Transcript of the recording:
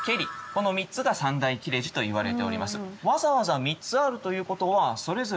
この３つが三大切れ字といわれております。